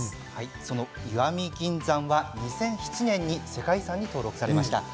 その石見銀山は２００７年に世界遺産に登録されました。